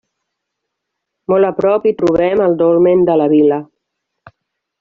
Molt a prop hi trobem el Dolmen de la Vila.